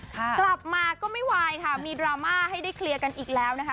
กลับมาก็ไม่ไหวค่ะมีดราม่าให้ได้เคลียร์กันอีกแล้วนะคะ